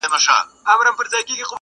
خاينده نرمه ده.